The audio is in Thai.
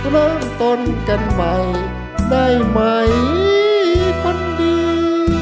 เริ่มต้นกันใหม่ได้ไหมคนดี